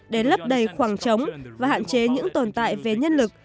để lấp đầy khoảng trống và hạn chế những tồn tại về nhân lực